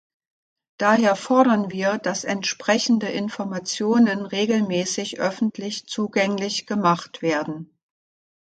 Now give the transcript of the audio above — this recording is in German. Daher fordern wir, dass entsprechende Informationen regelmäßig öffentlich zugänglich gemacht werden.